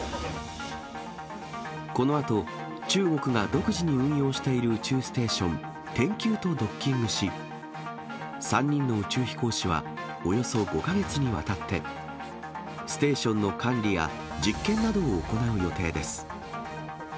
このあと、中国が独自に運用している宇宙ステーション、天宮とドッキングし、３人の宇宙飛行士はおよそ５か月にわたって、ステーションの管理や実験などを行う予定です。